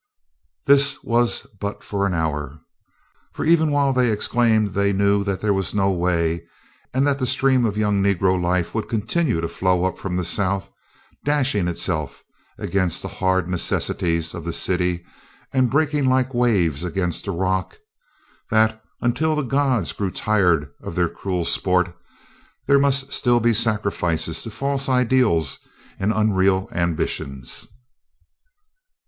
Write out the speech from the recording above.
This was but for an hour, for even while they exclaimed they knew that there was no way, and that the stream of young negro life would continue to flow up from the South, dashing itself against the hard necessities of the city and breaking like waves against a rock, that, until the gods grew tired of their cruel sport, there must still be sacrifices to false ideals and unreal ambitions.